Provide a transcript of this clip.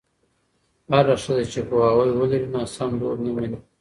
هره ښځه چې پوهاوی ولري، ناسم دود نه مني.